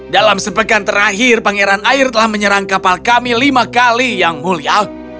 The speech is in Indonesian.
dalam sepekan terakhir pangeran air telah menyerang kapal kami lima kali yang mulia